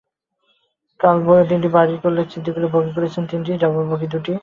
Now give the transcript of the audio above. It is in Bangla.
কাল তিনটি বার্ডি করলেও সিদ্দিকুর বগি করেছেন তিনটি, ডাবল বগি দুটি।